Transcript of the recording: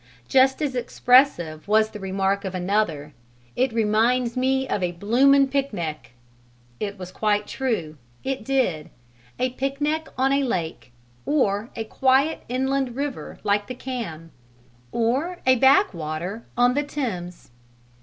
Just as expressive was the remark of another "It reminds me of a bloomin' picnic!" It was quite true; it did: a picnic on a lake, or a quiet inland river like the Cam, or a backwater on the Thames.